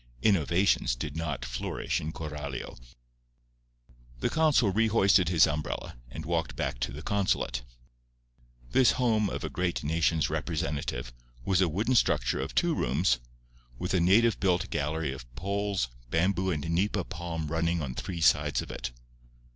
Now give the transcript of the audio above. Innovations did not flourish in Coralio. The consul re hoisted his umbrella and walked back to the consulate. This home of a great nation's representative was a wooden structure of two rooms, with a native built gallery of poles, bamboo and nipa palm running on three sides of it.